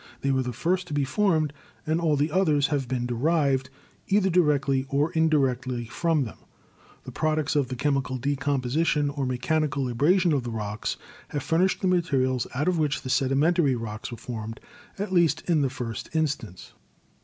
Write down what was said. They were the first to be formed, and all the others have been derived, either directly or indirectly, from them. The products of the chemical decomposition or mechanical abrasion of the rocks have furnished the materials out of which the sedimentary rocks were formed, at least in the first instance.